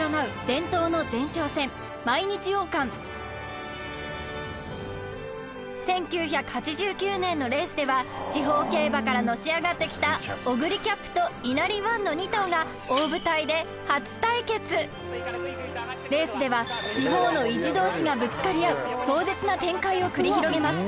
伝統の前哨戦毎日王冠１９８９年のレースでは地方競馬からのし上がってきたオグリキャップとイナリワンの２頭が大舞台で初対決レースでは地方の意地同士がぶつかり合う壮絶な展開を繰り広げます